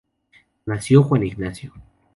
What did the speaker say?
Nació Juan Ignacio.